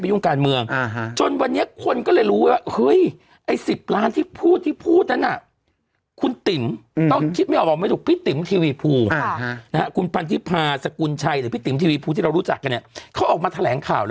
ซึ่งเดี๋ยวจะมีจริงแล้วเขาบอกมีสารอ่ะ